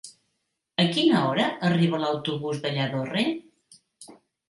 A quina hora arriba l'autobús de Lladorre?